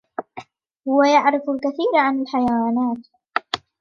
هو يعرف الكثير عن الحيوانات